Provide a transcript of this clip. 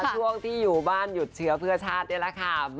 ช่วงที่อยู่บ้านหยุดเชื้อเพื่อชาตินี่แหละค่ะ